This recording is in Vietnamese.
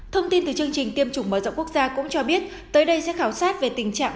thông tin từ chương trình tiêm chủng mở rộng quốc gia cũng cho biết tới đây sẽ khảo sát về tình trạng